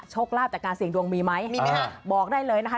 ลาบจากการเสี่ยงดวงมีไหมมีไหมฮะบอกได้เลยนะคะ